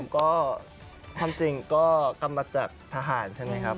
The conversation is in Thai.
ก็ทำจริงก็กำมาจากทหารใช่ไหมครับ